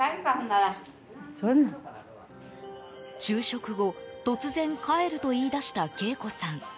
昼食後、突然帰ると言い出した敬子さん。